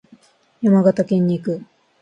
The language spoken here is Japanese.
山形県に行く。